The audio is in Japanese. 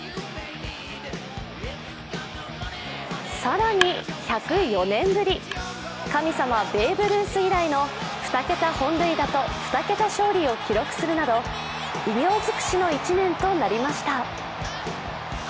更に、１０４年ぶり、神様、ベーブ・ルース以来の２桁本塁打と２桁勝利を記録するなど偉業尽くしの１年となりました。